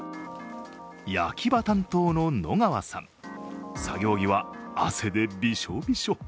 焼き場担当の野川さん、作業着は汗でびしょびしょ。